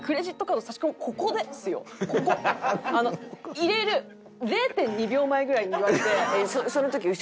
入れる０．２秒前ぐらいに言われて。